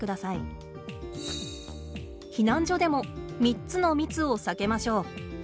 避難所でも３つの密を避けましょう。